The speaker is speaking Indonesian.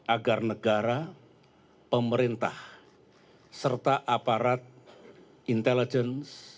agar negara pemerintah serta aparat intelligence